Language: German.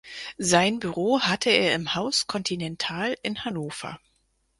Sein Büro hatte er im Haus Continental in Hannover.